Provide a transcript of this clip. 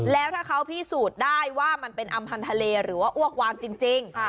แล้วถ้าเขาพิสูจน์ได้ว่ามันเป็นอำพันธ์ทะเลหรือว่าอ้วกวางจริง